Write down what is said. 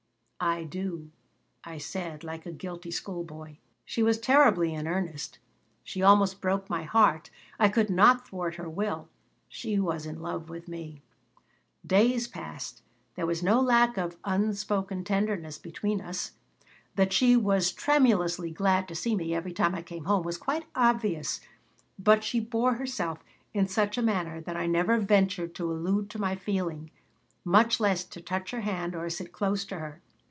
"I do," I said, like a guilty school boy She was terribly in earnest. She almost broke my heart. I could not thwart her will She was in love with me Days passed. There was no lack of unspoken tenderness between us. That she was tremulously glad to see me every time I came home was quite obvious, but she bore herself in such a manner that I never ventured to allude to my feeling, much less to touch her hand or sit close to her.